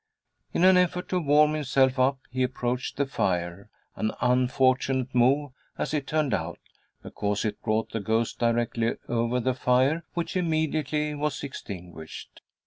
In an effort to warm himself up he approached the fire, an unfortunate move as it turned out, because it brought the ghost directly over the fire, which immediately was extinguished.